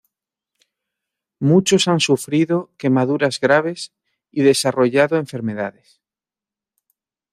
Muchos han sufrido quemaduras graves y desarrollado enfermedades.